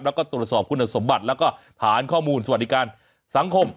แล้วก็ตรวจสอบคุณสมบัติแล้วก็ฐานข้อมูลสวัสดิการสังคม